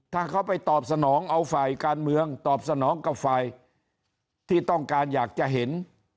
ถ้าเขาไปตอบสนองเอาฝ่ายการเมืองตอบสนองกับฝ่ายที่ต้องการอยากจะเห็น